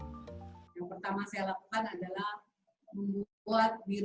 yang pertama saya lakukan adalah